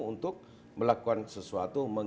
untuk melakukan sesuatu